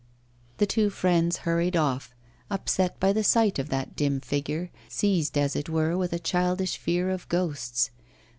The two friends hurried off, upset by the sight of that dim figure, seized as it were with a childish fear of ghosts.